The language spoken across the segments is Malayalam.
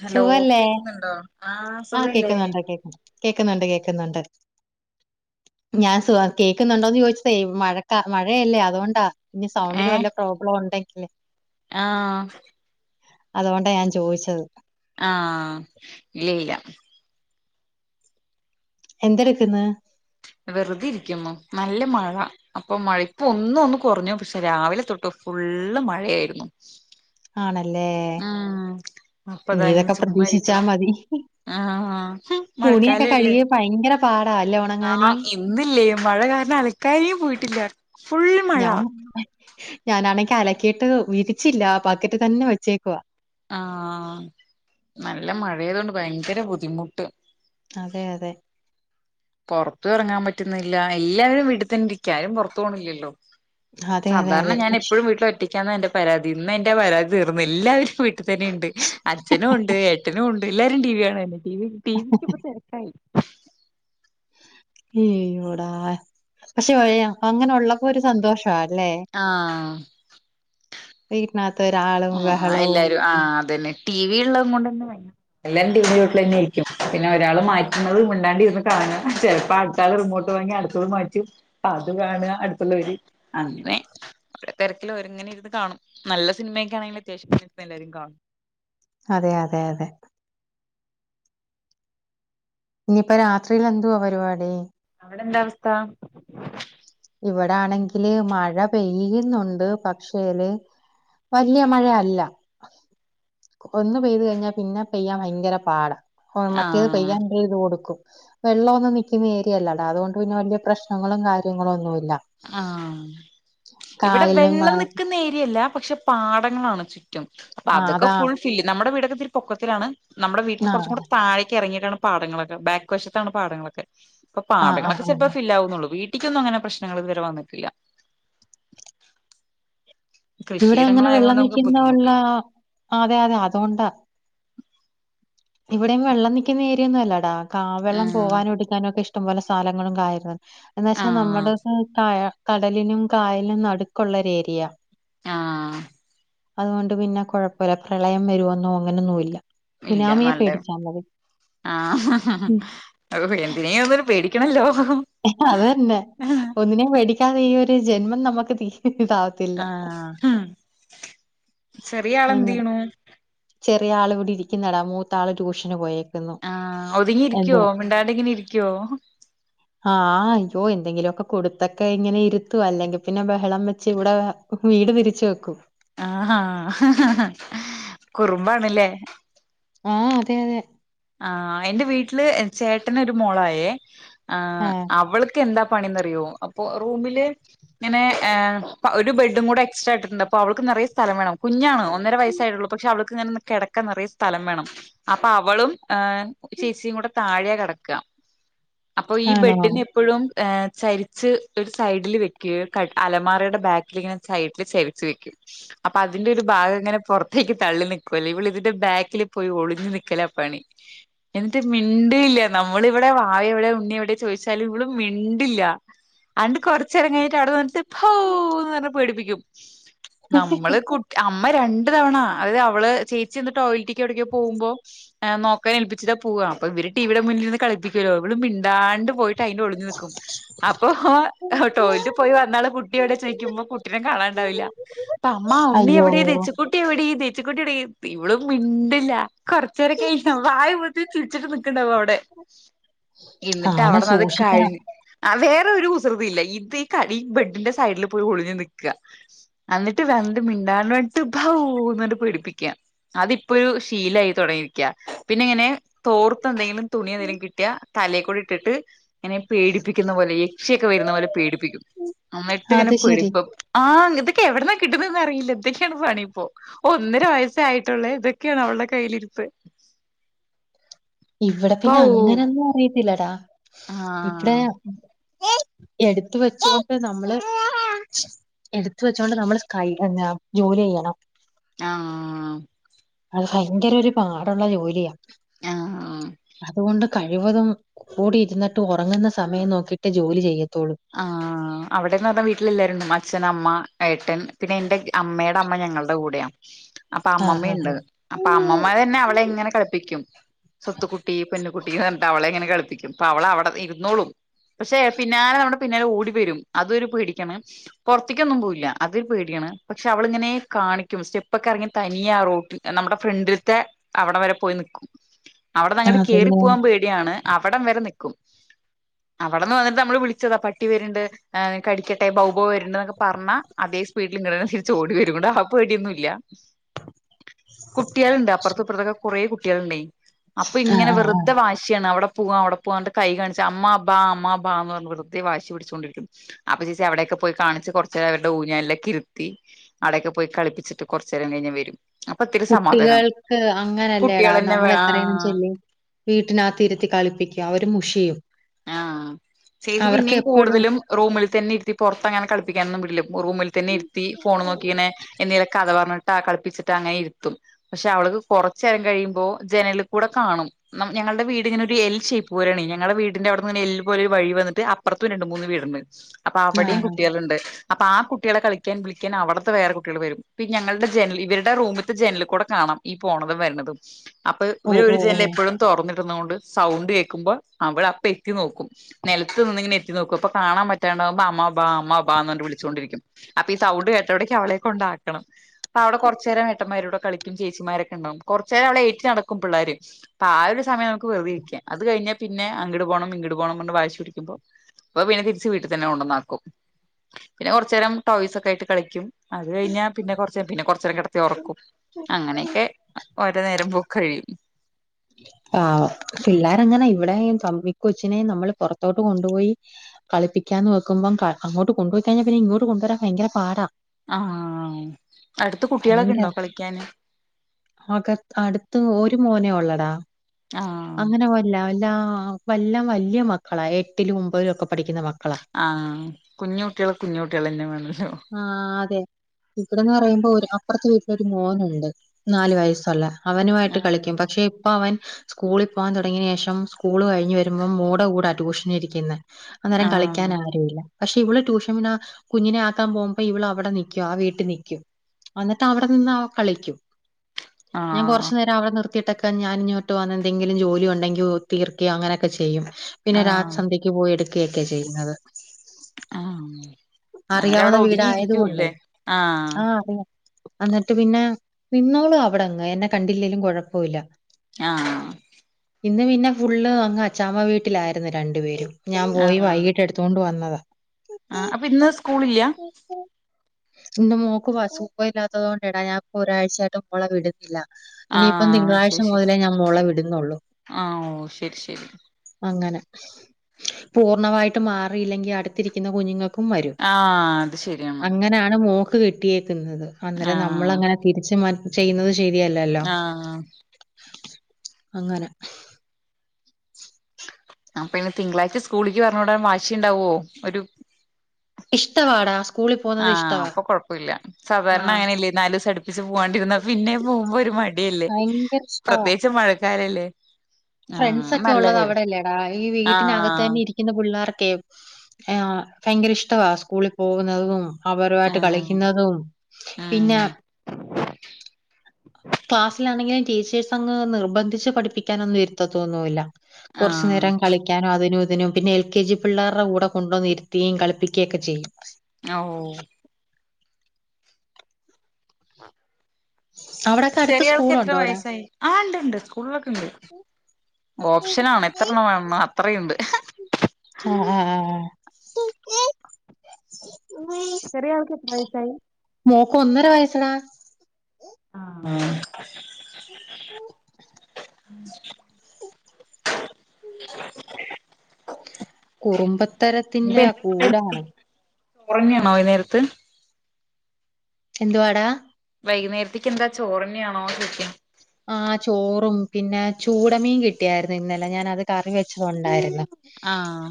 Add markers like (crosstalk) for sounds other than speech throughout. ഹലോ സുഖല്ലേ കേക്കുന്നുണ്ടോ ആഹ് സുഖല്ലേ കേക്കുന്നുണ്ട് കേക്കുന്നു കേക്കുന്നുണ്ട് കേക്കുന്നുണ്ട് ഞാൻ സുഖാ കേക്കുന്നുണ്ടോന്ന് ചോയ്ച്ചതേ മഴക്ക മഴയല്ലേ അതോണ്ടാ ഇനി സൗണ്ടിന് ഏഹ് വല്ല പ്രോബ്ലം ഉണ്ടെങ്കില് ആഹ് അതോണ്ടാ ഞാൻ ചോയ്ച്ചത് ആഹ് ഇല്ല ഇല്ല എന്തെടുക്ക്ന്ന് വെറുതെ ഇരിക്കുന്നു നല്ല മഴ അപ്പൊ മഴ ഇപ്പൊ ഒന്ന് ഒന്ന് കുറഞ്ഞു പക്ഷെ രാവിലെ തൊട്ട് ഫുള്ള് മഴയായിരുന്നു ആണല്ലേ ആഹ് അപ്പ ഇനി ഇതാ ഇങ്ങനെ ഇതൊക്കെ ചുമ്മാ പ്രതീക്ഷിച്ചാ ഇരിക്കുണു മതി ആഹ് തുണിയൊക്കെ മഴക്കാലല്ലേ കഴുകിയ ഭയങ്കര പാടാ ലോൺ ആഹ് ഇന്നില്ലേ മഴ കാരണം അലക്കാനെ പോയിട്ടില്ല ഫുൾ മഴ ഞാൻ (unintelligible) ഞാനാണങ്കി അലക്കിയിട്ട് വിരിച്ചില്ല ബക്കറ്റ് തന്നെ വെച്ചേക്കുവാ ആഹ് നല്ല മഴയാതോണ്ട് ഭയങ്കര ബുദ്ധിമുട്ട് അതെ അതെ പുറത്തും എറങ്ങാൻ പറ്റുന്നില്ല എല്ലാരും വീട്ടിതന്നെ ഇരിക്ക ആരും പുറത്തു പോണില്ലല്ലോ അതെ അതെ സാധാരണ അതെ ഞാൻ പക്ഷേ എപ്പോഴും വീട്ടിലും ഒറ്റ ക്കാന്നാ എന്റെ പരാതി. ഇന്ന് എന്റെ പരാതി തീർന്നു എല്ലാവരും വീട്ടിൽ തന്നെ ഇണ്ട് അച്ഛനും ഉണ്ട് ഏട്ടനും ഉണ്ട് എല്ലാരും ടി വി കാണന്നെ ടി വി ടി വിക്ക് ഇപ്പ തെരക്കായി ഇയ്യോടാ പക്ഷെ ഴ അങ്ങനെള്ളപ്പൊരു സന്തോഷാ അല്ലേ ആഹ് വീട്ടിനാത്ത് ഒരു ആളും ആഹ് ബഹളവും എല്ലാരും ആഹ് അതന്നെ ടി വി ഉള്ളഹ് കൊണ്ടന്നെ വ എല്ലാരും ടീവിടെ ചോട്ടിലെന്നെ ആയിരിക്കും പിന്നെ ഒരാള് മാറ്റ്ണത് മിണ്ടാണ്ടിരുന്ന് കാണാ ചിലപ്പ ത്താള് റിമോട്ട് വാങ്ങി അടുത്തത് മാറ്റും. അപ്പ അത് കാണ അടുത്തുള്ളവര് അങ്ങനെ അവിടെ തിരക്കില് ഓരുങ്ങനെ ഇരുന്ന് കാണും. നല്ല സിനിമയക്കാണെങ്കില് അത്യാവശ്യം (unintelligible) എല്ലാവരും കാണും അതെ അതെ അതെ ഇനിയിപ്പ രാത്രിയിൽ എന്തുവാ പരിപാടി? അവിടെ എന്താ അവസ്ഥ? ഇവിട ആണെങ്കില് മഴ പെയ്യുന്നുണ്ട് പക്ഷേല് വല്യ മഴയല്ല ഒന്ന് പെയ്ത് കഴിഞ്ഞാൽ പിന്നെ പെയ്യാൻ ഭയങ്കര പാടാ മറ്റേത് ആഹ് പെയ്യാൻ ഇണ്ട് ഇത് കൊടുക്കും വെള്ളൊന്നും നിക്കുന്ന ഏരിയല്ലടാ അതുകൊണ്ട് പിന്നെ വലിയ പ്രശ്നങ്ങളും കാര്യങ്ങളും ഒന്നു ഇല്ല ആഹ് ഇവിടെ ആ വെള്ളം നിക്കുന്ന ഏരിയല്ല പക്ഷെ പാടങ്ങളാണ് ചു റ്റും അപ്പൊ ആ അതൊക്കെ അതാ ഫുൾ ഫില്ല് നമ്മുടെ വീടൊക്കെത്തിരി പൊക്കത്തിലാണ് നമ്മുടെ വീട്ടിനെ ആ കുറച്ചും കൂടെ താഴേക്ക് ഇറങ്ങിയിട്ടാണ് പാടങ്ങളൊക്കെ ബാക്ക്‌ വശത്താണ് പാടങ്ങളൊക്കെ ഇപ്പൊ ആ ആ പാടങ്ങളൊക്കെ ആ ചെലപ്പോ ഫില്ല് ആവുന്നുള്ളൂ വീട്ടിക്കൊന്നും അങ്ങനെ പ്രശ്നങ്ങൾ ഇതുവരെ വന്നിട്ടില്ല ഇവിടെ അങ്ങനെ വെള്ളം കൃഷിയിടങ്ങളായതുകൊണ്ട് നമുക്ക് നിൽക്കുന്ന ഉള്ള ബുദ്ധിമുട്ട് അതെ അതെ അതോണ്ടാ ഇവിടെം വെള്ളം നിക്ക്ന്ന ഏരി യൊന്നും അല്ലാടാ ക വെള്ളം ആഹ് പോവാനും എടക്കാനും ഒക്കെ ഇഷ്ടം പോലെ സ്ഥലങ്ങളും കായലുകളും എന്ന വച്ചാ ആഹ് നമ്മുടെ കടലിലും കായലിനും നടുക്കുള്ള ഒരു ഏരിയ ആഹ അതുകൊണ്ട് പിന്നെ കുഴപ്പമില്ല പ്രളയം വരുവെന്നോ അങ്ങനൊന്നും ഇല്ല ഇല്ല സുനാമിയെ നല്ലത് പേടിച്ചാ മതി. ആഹ ഉം. അ അപ്പൊ എന്തിനേം ഒന്നിനെ പേടിക്കണല്ലോ അത് തന്നെ ഒന്നിനേം പേടിക്കാതെ ഈ ഒരു ജന്മം നമുക്ക് തീ താ ആഹ് ഉം ചെറിയ അങ്ങനെ. ആളെന്ത്യ്ണു ചെറിയ ആള് ഇവിടെ ഇരിക്കുന്നടാ മൂത്ത ആള് ട്യൂഷന് പോയെ ആഹ ഒതുങ്ങി ഇരിക്കൊ മിണ്ടാണ്ടെ ഇങ്ങനെ ഇരിക്കോ ആഹ അയ്യോ എന്തെങ്കിലുമൊക്കെ കൊടുത്തൊക്കെ ഇങ്ങനെ ഇരുത്തും അല്ലെങ്കി പിന്നെ ബഹളം വെച്ച് ഇവിടെ പൊ വീട് തിരിച് വെക്കും ആഹാ റുമ്മാണ്ല്ലേ ആഹ് അതെ അതെ ആഹ് എന്റെ വീട്ടില് ചേട്ടന് ഒരു മോളായേ ആ ആഹ് അവൾ ക്കെന്താ പണിന്നറിയോ അപ്പോ റൂമില് ഇങ്ങനേ ഏ പ്പ ഒരു ബെഡുംകൂടെ എക്സ്ട്രാ ഇട്ടട്ട്ണ്ട് അപ്പോ അവൾക്ക് നിറയേ സ്ഥലം വേണം കുഞ്ഞാണ് ഒന്നര വയസ്സായിട്ടുള്ളൂ പക്ഷേ അവള് ക്ക് ഇങ്ങനെന്ന് കിടക്ക നിറയെ സ്ഥലം വേണം അപ്പൊ അവളും ഏ ചേച്ചിയും കൂടെ താഴെയാ കിടക്കാ അപ്പൊ ഈ ആണോ ബെഡിനെപ്പഴും ഏ ചെരിച്ച് ഒരു സൈഡില് വെക്കൂ ക അലമാറയുടെ ബാക്കിലിങ്ങനെ സൈഡില് ചെരിച്ച് വെക്കും അപ്പൊ അതിന്റെ ഒരു ഭാഗങ്ങനെപൊർത്തേക്ക്തള്ളിനിക്കുവല്ലേ ഇവള് ഇതിന്റെ ബാക്കില് പോയി ഒളിഞ്ഞു നിക്കലാ പണി ഉ (unintelligible) എന്നിട്ട് മിണ്ടില്ല നമ്മളിവിടെ വാവ എവിടെ ഉണ്ണി എവിടെ ചോദിച്ചാലും ഇവള് മിണ്ടില്ലാ അണ്ട് കൊർചേരം കൈയ്ഞ്ഞിട്ട് അവിടെ നിന്നിട്ട് പ്പോന്നർഞ്ഞ് പേടിപ്പിക്കും നമ്മള് കു അമ്മ രണ്ട് തവണ അതായത് അവള് ചേച്ചി ന്ന്ട്ട് ടോയ്ലറ്റിക്ക് എവിട്ക്കെ പോകുമ്പോൾ ഏ നോ നോക്കാനേൽപ്പിച്ചിട്ടാ പോവാ അപ്പ ഇവര് ടിവിയുടെ മുന്നിലിരിന്ന് കളിപ്പിക്കല്ലോ ഇവള് മിണ്ടാണ്ടെ പോയിട്ടയിന്റെ ഒളിഞ്ഞ് നിക്കും അപ്പൊ ടോയ്ലറ്റ് പോയി വന്നാള് കുട്ടി എടെ ചോയിക്കുമ്പോ കുട്ടിനെ കാണാണ്ടാവില്ല അപ്പൊ അമ്മ ഉണ്ണി അയ്യോ എവിടെ തേച്ചുക്കുട്ടി എവിടെ തേച്ചുക്കുട്ടി എടേ ഇവള് മിണ്ടില്ല കൊർച്ചേരൊക്കെ കയിഞ്ഞ (unintelligible) അപ്പോത്തിന്ന് ചിരിച്ചിട്ട് നിക്കുണ്ടാവു അവിടെ എന്നിട്ട് ആന അവിടന്നത് സൂക്ഷിക്കണം കഴിഞ്ഞ് ആ വേറെ ഒരു കുസൃതി ഇല്ല ഇത് ഈ കളി ഈ ബെഡിന്റെ സൈഡില് പോയി ഒളിഞ്ഞു നിക്കാ അന്നിട്ട് വെന്ത് മിണ്ടാൻ വേണ്ടിട്ട് ഭൗ ന്ന് പേടിപ്പിക്കാ അതിപ്പൊരു ശീലായി തൊടങ്ങിരിക്കാ പിന്നെ ഇങ്ങനെ തോർത്ത് എന്തെങ്കിലും തുണി എന്തെങ്കിലും കിട്ടിയാ തലേക്കൂടെ ഇട്ടിട്ട് ഇങ്ങനെ പേടിപ്പിക്കുന്ന പോലെ എക്ഷിയൊക്കെ വരുന്ന പോലെ പേടിപ്പിക്കും എന്നിട്ട് ഇങ്ങനെ അത് ശരി പേടിപ്പം ആഹ് ഇതൊക്കെ എവിടന്നാ കിട്ടുന്നന്ന് അറിയില്ല. ഇതൊ ക്കെയാണ് പണി ഇപ്പോ. ഒന്നര വയസ്സായിട്ടുള്ളേ ഇതൊക്കെയാണ് അവളുടെ കയ്യിലിരുപ്പ്. ഇവിടെ പിന്നെ അങ്ങനൊന്നും അറിയത്തില്ലടാ ഇപ്പടെ ആഹ് എടുത്ത് വെച്ചതൊക്കെ നമ്മള് എടുത്ത് വെച്ചോണ്ട് നമ്മള് സ്കൈ ജോലി ചെയ്യണം. ആഹ് അത് ഭയങ്കര ഒരു പാടുള്ളൊരു ജോലിയാ ആഹ് അതുകൊണ്ട് കഴിവതും കൂടി ഇരുന്നിട്ട് ഉറങ്ങുന്ന സമയം നോക്കിയിട്ട് ജോലി ചെയ്യത്തൊള്ളൂ ആഹ് അവിടെന്ന് പറഞ്ഞാ വീട്ടില ല്ലാരുണ്ട് അച്ഛൻ അമ്മ ഏട്ടൻ പിന്നെ എന്റെ അമ്മേടെ അമ്മ ഞങ്ങളുടെ കൂടെയാ. അപ്പ ആ ആ അമ്മമ്മയുണ്ട് അപ്പ അമ്മമ്മന്നെ അവളെ ഇങ്ങനെ കളിപ്പിക്കും. സ്വത്തുക്കുട്ടി പൊന്നുകുട്ടിന്ന് പറഞ്ഞിട്ട് അവളെങ്ങനെ കളപ്പിക്കും അപ്പൊ അവളവിടെ ഇരുന്നോളും. പക്ഷേ പിന്നാലെ നമ്മുടെ പിന്നാലെ ഓടി വരും അതൊരുപേടിക്കണം പൊർത്തിക്കൊന്നും പോവില്ല അതൊരു പേടിയാണ് പക്ഷേ അവളിങ്ങനെ കാണിക്കും സ്റ്റെപ്പൊക്കെ എറങ്ങി തനിയേ റോട്ടിൽ നമ്മുടെ ഫ്രണ്ടിൽത്തെ അവടെ വരെ പോയി നിക്കും അവിടെ ആ ആ നങ്ങട്ട് കേറി പിന്നെ പോകാൻ പേടി യാണ് അവിടം വരെ നിക്കും അവിടെന്ന് വന്നിട്ട് നമ്മള് വിളിച്ചതാ പട്ടി വരുണ്ട് ആ കടിക്കട്ടെ ബൗബൗ വര്ന്ന് എന്നൊക്കെ പറഞ്ഞാ അതേ സ്പീഡിൽ ഇങ്ങടെന്നെ തിരിച്ച് ഓടി വരും ആ പേടിയൊന്നും ഇല്ല. കുട്ട്യാൾണ്ട് അപ്പുറത്തപ്പുറത്തൊക്കെ കുറേ കുട്ടാളുണ്ടെയ് അപ്പൊ ആ ഇങ്ങനെ ആ വെറ് ആ തെ വാശിയാണ് അവിടെ പോവാ അവിടെ പോവാ കൈ കാണിച്ചാ അമ്മാ ബാ അമ്മാ ബാ എന്ന് പറഞ്ഞു വെറുതെ വാശി ശി പിടിച്ചുകൊണ്ടിരിക്കും അപ്പ ചേച്ചി അവിടെയൊക്കെ പോയി കാണിച്ച് കൊറച്ചവരുടെ ഊഞ്ഞാലിലൊക്കെ ഇരുത്തി അടയൊക്ക പോയി കളിപ്പിട്ട് കൊർച്ചേരം കയിഞ്ഞാ വരും. അപ്പൊ ഇത്തിരി സമാധാനാവും കുട്ടികൾക്ക് അങ്ങനെല്ലേടാ കുട്ടികളെന്നെ വേ ആഹ് നമ്മളെത്രേചെല്ല് വീട്ടിനകത്തിരുത്തി കളിപ്പിക്കാ അവരു മുഷിയും. ആഹ് ചേച്ചി അവർക്ക് പിന്നിം എപ്പോഴും കൂടുതലും റൂമിൽ തന്നെ ഇരുത്തി പുറത്ത് അങ്ങനെ കളിപ്പിക്കാനൊന്നുവിടില്ല റൂമിൽ തന്നെ ഇരുത്തി ഫോണ് നോക്കിങ്ങനെ എന്തേങ്കിലൊക്കെ കഥ പറഞ്ഞിട്ടാ കളിപ്പിച്ചിട്ടോ അങ്ങെനെ ഇരുത്തും. പക്ഷെ അവൾക്ക് കൊറച്ചേരം കഴിയുമ്പോ ജനൽ കൂടെ കാണും. ഞങ്ങളുടെ വീട് ഇങ്ങനെ ഒരു എൽ ഷയ്പ്പ് പോലെയാണ് ഞങ്ങളടെ വീട് വീടിന്റെ അവിന്ന് ഒര് എല് പോലെ വഴി വന്നിട്ട് അപ്പറത്തും രണ്ട് മൂന്ന് വീടുണ്ട്. അപ്പൊ അവിടെയും ആഹ് കുട്ടികളുണ്ട്. അപ്പൊ ആഹ് കുട്ടികളെ കളിക്കാൻ വിളിക്കാൻ അവിടുത്തെ വേറെ കുട്ടികൾ വരും ഇപ്പ ഞങ്ങളുടെ ജനൽ ഇവരുടെ റൂമിലത്തെ ജനലൽ കൂടെ കാണാം. ഈ പോണതും വരുന്നതും അപ്പൊ ഓ ഇവര് ഒരു ഓ ജനല ഓ എപ്പോഴും തുറന്നിടോണ്ട് സൗണ്ട് കേൾക്കുമ്പോൾ അവൾ എത്തി നോക്കും നിലത്തു നിന്ന് ഇങ്ങനെ എത്തി നോക്കും അപ്പൊ കാണാൻ പറ്റാണ്ടാകുമ്പോ അമ്മ ബാ അമ്മ ബാ എന്ന് പറഞ്ഞിട്ട് വിളിച്ചോണ്ടിരിക്കും അപ്പൊ ഈ സൗണ്ട് കേട്ടവിടേക്ക് അവളെ കൊണ്ടാക്കണം അപ്പ അവിടെ കൊറച്ചേരം ഏട്ടന്മാരൂടെ കളിക്കും ചേച്ചിമാരൊക്കെണ്ടാവും കുറച്ചേരം അവളെ ഏറ്റി നടക്കും പിള്ളേര്. അപ്പൊ ആഹ് ഒരു സമയം നമക്ക് വെറുതരിക്കാം അത് കഴിഞ്ഞാ പിന്നെ അങ്ങോ ട്ട് പോണം ഇങ്ങട് പോണം വാശി പിടിക്കുമ്പോ അപ്പൊ പിന്നെ തിരിച്ച് വീട്ടിൽ തന്നെ കൊണ്ടന്നാക്കും പിന്നെ കുറച്ചേരം ടോയ്സ് ഒക്കെ ആയിട്ട് കളിക്കും അത് കഴിഞ്ഞ പിന്നെ കുറ പിന്നെ കുറച്ചേരം കെടത്തി ഒറക്കും അങ്ങനെയൊക്കെ ഓര നേരം പോ കഴിയും ആഹ് പിള്ളേരങ്ങന ഇവിടെയും ഈ കൊച്ചിനേ നമ്മൾ പുറത്തോട്ട് കൊണ്ടുപോയി കളിപ്പിക്കാൻ വെക്കുമ്പം അങ്ങോട് കൊണ്ട്പോയി കഴിഞ്ഞാ പിന്നെ ഇങ്ങോട്ട് കൊണ്ടുവരാൻ ഭയങ്കര പാടാ ആഹ് അടുത്ത കുട്ടിളൊക്കെ ഭയങ്കര ഉണ്ടോ കളിക്കാന് അക അടുത്ത് ഒരു മോനെ ഉള്ളടാ ആഹ് അങ്ങനെ അല്ല അല്ല എല്ലാം വലിയ മക്കളാ എട്ടിലും ഒൻപലും ഒക്കെ പഠിക്കുന്ന മക്കളാ ആഹ് കുഞ്ഞു കുട്ട്യാൾ കുഞ്ഞു കുട്ടിയാളെന്നെ വേണല്ലോ ആഹ് അതെ ഇവിടെന്ന് പറയുമ്പോ ഒരു അപ്പുറത്തെ വീട്ടിലൊരു മോനുണ്ട് നാലു വയസ്സുള്ള അവനുമായിട്ട് ആഹ് കളിക്കും പക്ഷെ ഇപ്പ അവൻ സ്കൂളിൽ പോകാൻ തുടങ്ങിയ ശേഷം സ്കൂള് കഴ ഞ്ഞ് വരുമ്പോ മോൾടെ കൂടാ ട്യൂഷൻ ഇരിക്കുന്നത് അന്നേരം കളിക്കാൻ ആഹ് ആരും ഇില്ല പക്ഷെ ഇവിനാ ട്യൂഷൻ കുഞ്ഞിനെ ത്താൻ പോകുമ്പോ ഇവള് അവിടെ നിക്കും ആഹ് വീട്ടിൽ നിക്കും അന്നിട്ട് അവിടെ നിന്ന് കളിക്കും ഞാൻ ആഹ് കുറച്ചു നേരം അവിടെ നിർ ത്തിട്ടൊക്കെ ഞാൻ ഇങ്ങോട്ട് വന്ന് എന്തെങ്കിലും ജോലി ഉണ്ടെങ്കിൽ തീർക്കേ അങ്ങനൊക്കെ ചെയ്യും പിന്നെ രാ ആഹ് സന്ധ്യയ്ക്ക് പോയി എടുക്കുകയൊക്കെ ചെയ്യുന്നത് ആഹ് അറിയാവുന്ന അവരവിടെ വീടായതു കൊണ്ട് ഒതുങ്ങിയിരിക്കൂല്ലേ ആഹ് അറിയാം എന്നിട്ട് പിന്നെ നിന്നോളും അവിടങ്ങ് എന്നെ കണ്ടില്ലേലും കുഴപ്പവില്ല. ആഹ് ഇന്ന് പിന്നെ ഫുള്ള് അങ്ങ് അച്ചാമ്മ വീട്ടിലായിരുന്നു രണ്ടു പേരും ഞാൻ പോയി ആഹ് വൈകിട്ട് എടുത്ത് തൊണ്ടു വന്നത ആഹ് അപ്പൊ ഇന്ന് സ്കൂളില്ല ഇന്ന് മോക്ക് വ സൂഖമില്ലാത്തത് കൊണ്ട് എടാ ഞാൻ ഇപ്പൊ ഒരാഴ്ച്ച ആയിട്ട് മോളെ വിടുന്നില്ല. ഇനിയിപ്പം ആഹ് ശരി തിങ്കളാഴ്ച്ച ശരി മുതലേ ഞാൻ മോളെ വിടുന്നുള്ളൂ. ആഹ് ഓ ശരി ശരി അങ്ങനെ പൂർണമായിട്ട് മാറിയില്ലെങ്കി അടുത്തിരിക്കുന്ന കുഞ്ഞുങ്ങൾക്കും വരും. ആഹ് അത് ശരി അങ്ങനെയാണ് മോക്ക് കിട്ടിയേക്കുന്നത് അന്നേരം നമ്മൾ ആഹ് അങ്ങനെ തിരിച്ച് ചെയ്യുന്നത് ശരിയല്ലല്ലോ ആഹ് അങ്ങനെ ആപ്പൊ ഇനി തിങ്കളാഴ്ച സ്കൂളിക്ക് പറഞ്ഞു വിടാൻ വാശി ഉണ്ടാവവോ ഒരു ഇഷ്ടവാടാ സ്കൂളിൽ പോകുന്നത് ആഹ് ഇഷ്ടവാ. അപ്പൊ കുഴപ്പമില്ല സാധാരണ ആഹ് അങ്ങനെല്ലേ നാല് ദിവസം അടിപ്പിച്ച് പോവാണ്ടിരുന്ന പിന്നെ പോകുമ്പോ ഒരു മടി ടിയല്ലേ ഭയങ്കര പ്രത്യേകിച്ച് മഴക്കാലല്ലേ ആഹ് ഫ്രണ്ട്സ് ഒക്കെ നല്ല ഉള്ളത് കാര്യം അവിടെയല്ലേടാ ഈ വീട്ടിനകത്ത് ആഹ് തന്നെ ഇരിക്ക ക്കുന്ന പിള്ളേർക്കെ ആഹ് ഭയങ്കര ഇഷ്ടവാ സ്കൂളിൽ പോകുന്നതും അവരുമായിട്ട് ആഹ് കളിക്കുന്നതും പിന്നെ ആഹ് ക്ലാസ്സിലാണെങ്കിലും ടീച്ചേഴ്സ് അങ് നിർബന്ധിച്ച് പഠിപ്പിക്കാനൊന്നും ഇരുത്തത്തില്ല. കുറച്ചു ആഹ് നേരം കളി ക്കാനോ അതിനും ഇതിനും പിന്നെ എൽ കെ ജി പിള്ളേരുടെ കൂടെ കൊണ്ടുവന്നിരുത്തിയും കളിപ്പിക്കുകയും ഒക്കെ ചെയ്യും. അ ഓ അവിടൊക്കെ അടുത്ത് ചെറിയ ആൾക്ക് എത്ര സ്കൂളുണ്ടോടാ? വയസ്സായി ആ ഉണ്ട്ണ്ട് സ്കൂളിലൊക്കെ ഉണ്ട് ഓപ്ഷനാണ് എത്രണ്ണം വേണൊന്നോ അത്രെയുണ്ട് ആ ആഹ് ആഹ് ചെറിയാൾക്ക് എത്ര വയസായി. മോക്ക് ഒന്നര വയസ്സെടാ ആഹ് (inaudible) കുറുമ്പത്തരത്തിന്റെ കൂടാണ്. ഉറങ്ങിയാണോ ഈ നേരത്ത് എന്തുവാടാ വൈകുന്നേരത്തേക്ക് എന്താ ചോറെന്നെയാണോ ചോയിക്ക. ആ ചോറും പിന്നെ ചൂടമീൻ കിട്ടിയായിരുന്നു ഇന്നലെ ഞാൻ അത് കറി വെച്ചത് ഉണ്ടായിരുന്നു ആഹ്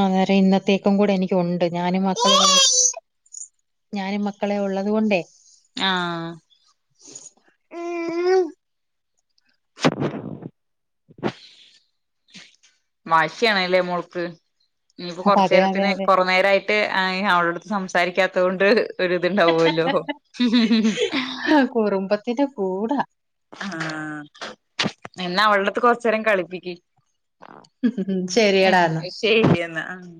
ആ വേറെ ഇന്നത്തേക്കും കൂടെ എനിക്കുണ്ട് ഞാനും മക്കളൂടെ ഞാനും മക്കളെ ഉള്ളത് കൊണ്ടേ ആഹ് വാശിയണല്ലേ മോൾക്ക് ഇനിയിപ്പോ കൊറച്ച് അതെ അതെ നേരത്തിന് അതെ കൊറേ നേരായി ട്ട് അവളടുത്ത് സംസാരിക്കാത്തെ കൊണ്ട് ഒരിത് ഉണ്ടാവുമല്ലോ കുറുമ്പത്തിന്റെ കൂട് ഹ് ആ എന്നാ അവൾടെ അടുത്ത് കൊറച്ച് നേരം കളിപ്പിക്ക്. ശെരിയെടാ എന്നാ ശരിയെന്നാ അഹ്